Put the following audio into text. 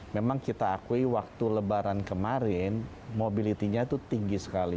memang kita akui waktu lebaran kemarin mobility nya itu tinggi sekali